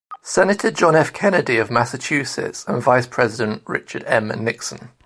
Senator John F. Kennedy of Massachusetts and Vice President Richard M. Nixon.